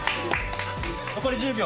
残り１０秒。